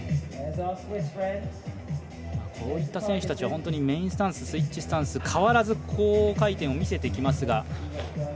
こういった選手たちは本当にメインスタンススイッチスタンス変わらず高回転を見せてきますが。